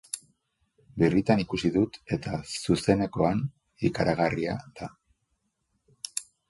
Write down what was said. Birritan ikusi dut eta zuzenekoan ikaragarria da.